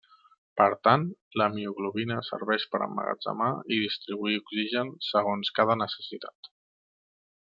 Per tant, la mioglobina serveix per emmagatzemar i distribuir oxigen segons cada necessitat.